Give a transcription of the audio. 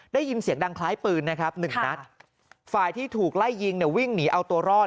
ได้ยินเสียงดังคล้ายปืนนะครับหนึ่งนัดฝ่ายที่ถูกไล่ยิงเนี่ยวิ่งหนีเอาตัวรอด